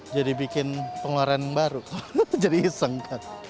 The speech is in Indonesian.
jadi bikin pengeluaran baru jadi iseng kan